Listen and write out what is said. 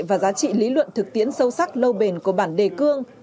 và giá trị lý luận thực tiễn sâu sắc lâu bền của bản đề cương